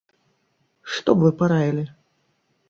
Што б вы параілі?